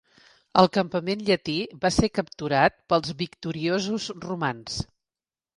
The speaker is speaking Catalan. El campament llatí va ser capturat pels victoriosos romans.